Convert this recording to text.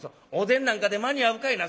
お膳なんかで間に合うかいな。